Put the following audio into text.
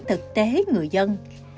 thực tế người dân